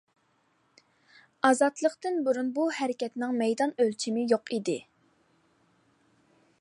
ئازادلىقتىن بۇرۇن بۇ ھەرىكەتنىڭ مەيدان ئۆلچىمى يوق ئىدى.